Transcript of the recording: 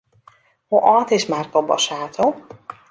Hoe âld is Marco Borsato?